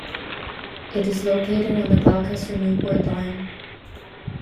It is located on the Gloucester-Newport line.